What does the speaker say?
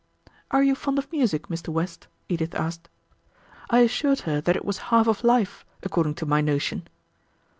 "Are you fond of music, Mr. West?" Edith asked. I assured her that it was half of life, according to my notion.